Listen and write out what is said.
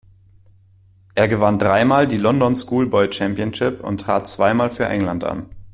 Er gewann dreimal die London Schoolboy Championship und trat zweimal für England an.